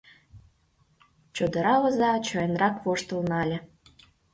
Чодыра оза чоянрак воштыл нале